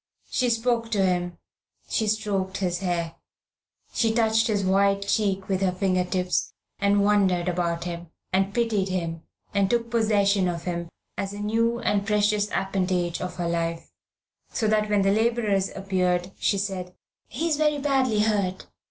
She spoke to him, she stroked his hair. She touched his white cheek with her finger tips, and wondered about him, and pitied him, and took possession of him as a new and precious appanage of her life, so that when the labourers appeared, she said "He's very badly hurt.